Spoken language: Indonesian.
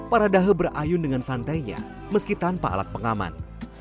para dahe berayun dengan santainya meski tanpa alat pengaman